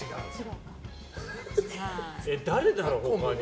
誰だろう？他に。